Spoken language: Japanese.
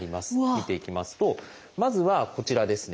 見ていきますとまずはこちらですね。